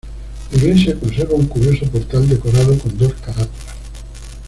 La iglesia conserva un curioso portal decorado con dos carátulas.